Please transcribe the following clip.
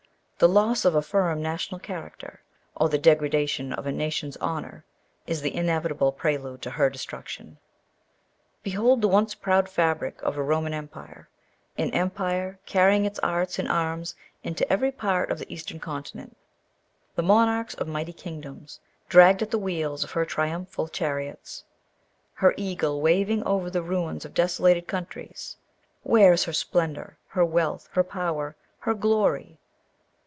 The loss of a firm national character, or the degradation of a nation's honour, is the inevitable prelude to her destruction. Behold the once proud fabric of a Roman empire an empire carrying its arts and arms into every part of the Eastern continent; the monarchs of mighty kingdoms dragged at the wheels of her triumphal chariots; her eagle waving over the ruins of desolated countries; where is her splendour, her wealth, her power, her glory?